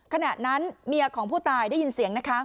ขณะนั้นเมียของผู้ตายได้ยินเสียงนะคะ